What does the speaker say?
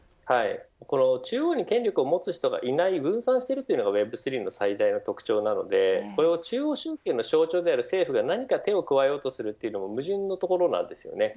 中央に権力を持つ人がいない分散しているというのがＷｅｂ３の最大の特徴なので中央集権の象徴である政府が何か手を加えようとするのは矛盾のところです。